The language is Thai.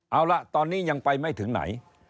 เอาละตอนนี้ยังไปไม่ถึงไหน